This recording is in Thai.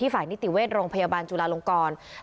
ที่ฝ่ายนิติเวชโรงพยาบาลจุลาลงกรมาร้อยก่อน